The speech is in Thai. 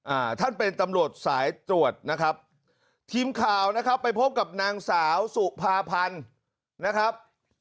อ่าท่านเป็นตำรวจสายตรวจนะครับทีมข่าวนะครับไปพบกับนางสาวสุภาพันธ์นะครับ